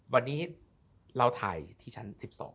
วันนี้เราถ่ายที่ชั้น๑๒